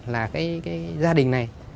là cái gia đình này